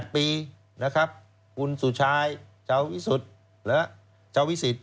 ๑๘ปีคุณสุชายเจ้าวิสุทธิ์หรือเจ้าวิสิทธิ์